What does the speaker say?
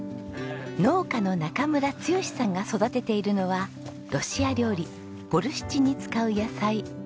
農家の中村剛さんが育てているのはロシア料理ボルシチに使う野菜。